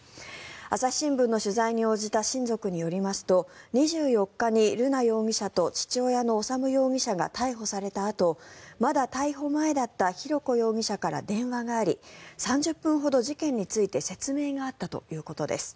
朝日新聞の取材に応じた親族によりますと２４日に瑠奈容疑者と父親の修容疑者が逮捕されたあとまだ逮捕前だった浩子容疑者から電話があり３０分ほど事件について説明があったということです。